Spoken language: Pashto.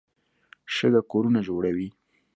شګه کورونه جوړوي.